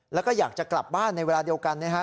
แล้วก็อยากจะกลับบ้านในเวลาเดียวกันนะฮะ